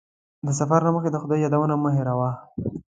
د سفر نه مخکې د خدای یادول مه هېروه.